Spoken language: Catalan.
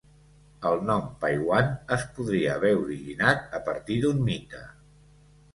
El nom "Paiwan" es podria haver originat a partir d'un mite.